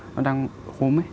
nó đang húm ấy